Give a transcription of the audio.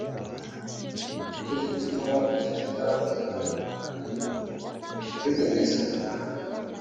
Nicyo gituma bakoze iyo bwabaga ngo barwanye abigometse ku mwami